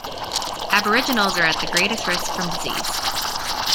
Aboriginals are at the greatest risk from disease.